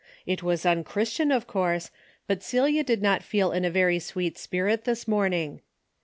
It was unchristian of course, but Celia did not feel in a very sweet spirit this morning.